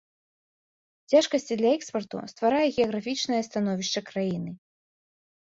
Цяжкасці для экспарту стварае геаграфічнае становішча краіны.